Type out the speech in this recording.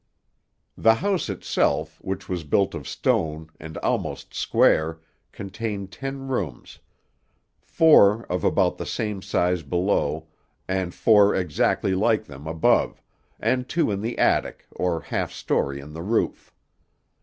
The house itself, which was built of stone, and almost square, contained ten rooms; four of about the same size below, and four exactly like them above, and two in the attic or half story in the roof.